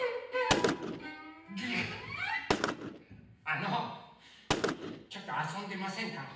あのちょっとあそんでませんか？